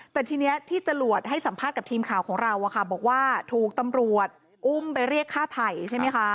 แต่ทีนี้ที่จรวดให้สัมภาษณ์กับทีมข่าวของเราบอกว่าถูกตำรวจอุ้มไปเรียกฆ่าไถ่ใช่ไหมคะ